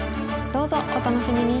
どうぞお楽しみに！